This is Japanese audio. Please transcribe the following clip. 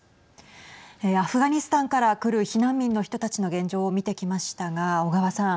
アフガニスタンから来る避難民の人たちの現状を見てきましたが小川さん。